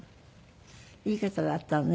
いい方だったのね。